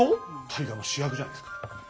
大河の主役じゃないですか。